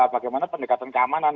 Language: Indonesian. bagaimana pendekatan keamanan